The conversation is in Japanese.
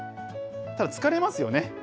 ただ、疲れますよね。